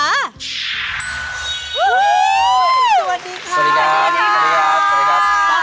สวัสดีค่ะ